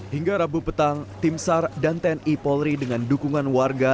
hingga rabu petang tim sar dan tni polri dengan dukungan warga